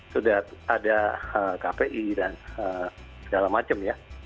sudah ada kpi dan segala macam ya